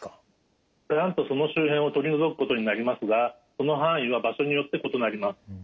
がんとその周辺を取り除くことになりますがその範囲は場所によって異なります。